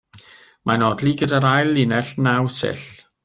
Mae'n odli gyda'r ail linell naw sill.